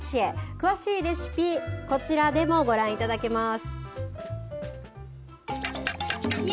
詳しいレシピ、こちらでもご覧いただけます。